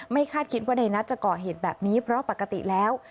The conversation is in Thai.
คาดคิดว่าในนัทจะก่อเหตุแบบนี้เพราะปกติแล้ว